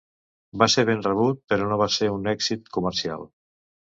Va ser ben rebut però no va ser un èxit comercial.